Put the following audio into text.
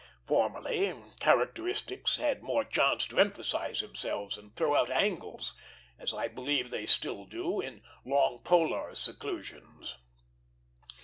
Formerly, characteristics had more chance to emphasize themselves and throw out angles, as I believe they still do in long polar seclusions.